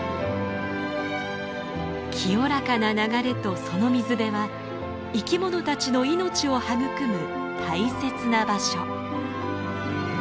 清らかな流れとその水辺は生き物たちの命を育む大切な場所。